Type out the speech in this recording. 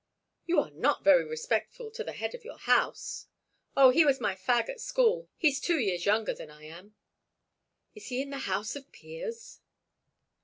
"You are not very respectful to the head of your house." "Oh, he was my fag at school—he's two years younger than I am." "Is he in the House of Peers?"